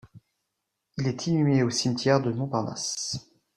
Il est inhumé au Cimetière du Montparnasse.